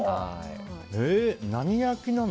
何焼きなの？